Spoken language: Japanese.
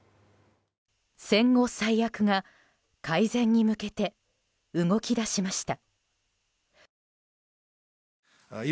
戦後最悪が改善に向けて動き出しました。